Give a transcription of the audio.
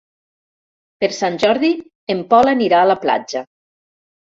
Per Sant Jordi en Pol anirà a la platja.